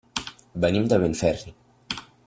Venim de Benferri.